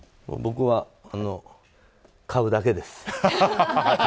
僕は、買うだけです。